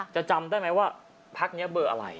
จำได้ไหมว่าพักนี้เบอร์อะไร